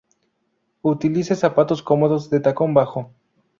Utilice zapatos cómodos, de tacón bajo.